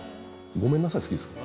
「ごめんなさい」が好きですか。